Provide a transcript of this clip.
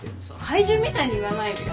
怪獣みたいに言わないでよ。